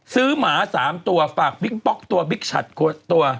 หมา๓ตัวฝากบิ๊กป๊อกตัวบิ๊กชัดตัว